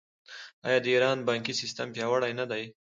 آیا د ایران بانکي سیستم پیاوړی نه دی؟